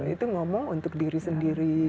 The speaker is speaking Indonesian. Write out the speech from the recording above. itu ngomong untuk diri sendiri